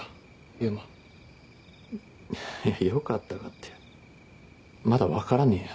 悠馬よかったかってまだわからねえよ